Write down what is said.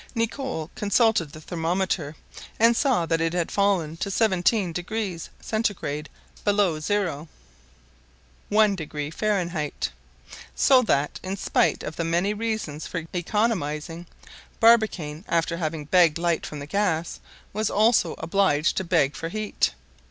Nicholl consulted the thermometer, and saw that it had fallen to seventeen degrees (Centigrade) below zero. So that, in spite of the many reasons for economizing, Barbicane, after having begged light from the gas, was also obliged to beg for heat.